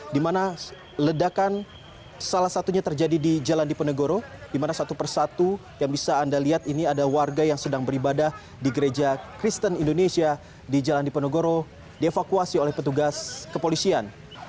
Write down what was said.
di mana ledakan salah satunya terjadi di jalan diponegoro dimana satu persatu yang bisa anda lihat ini ada warga yang sedang beribadah di gereja kristen indonesia di jalan diponegoro dievakuasi oleh petugas kepolisian